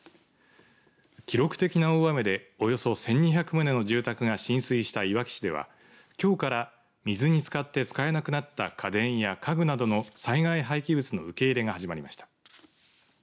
記録的な大雨でおよそ１２００棟の住宅が浸水したいわき市ではきょうから水につかって使えなくなった家電や家具などの災害廃棄物の受け入れが始まりました。